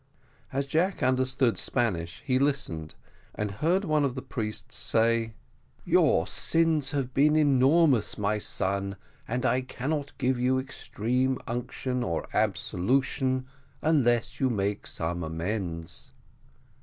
As Jack understood Spanish, he listened, and heard one of the priests say: "Your sins have been enormous, my son, and I cannot give you extreme unction or absolution unless you make some amends."